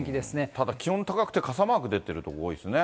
ただ気温高くて、傘マーク出てる所、多いですね。